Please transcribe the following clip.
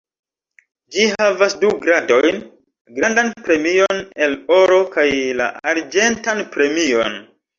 Ĝi havas du gradojn: Grandan premion el oro kaj la arĝentan premion.